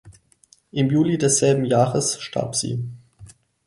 Im Juli desselben Jahres starb sie.